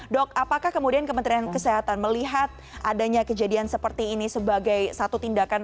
dok apakah kemudian kementerian kesehatan melihat adanya kejadian seperti ini sebagai satu tindakan